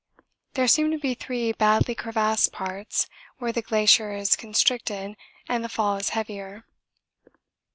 There seem to be three badly crevassed parts where the glacier is constricted and the fall is heavier.